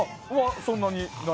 そんなに。